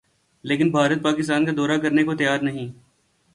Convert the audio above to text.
لیکن بھارت پاکستان کا دورہ کرنے کو تیار نہیں